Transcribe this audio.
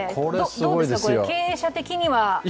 どうですか、経営者的には。